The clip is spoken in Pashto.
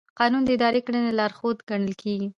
قانون د اداري کړنو لارښود ګڼل کېږي.